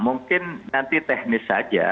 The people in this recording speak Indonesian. mungkin nanti teknis saja